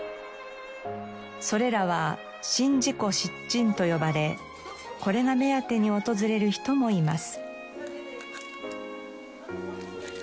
それらは宍道湖七珍と呼ばれこれが目当てに訪れる人もいます。